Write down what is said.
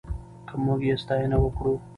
که موږ یې ساتنه وکړو.